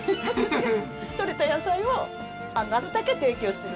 とれた野菜をなるたけ提供して。